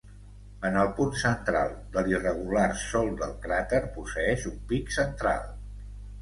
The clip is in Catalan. En el punt central de l'irregular sòl del cràter posseeix un pic central.